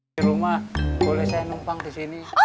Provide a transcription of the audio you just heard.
di rumah boleh saya numpang di sini